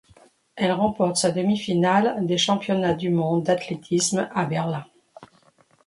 Elle remporte sa demi-finale des Championnats du monde d'athlétisme à Berlin.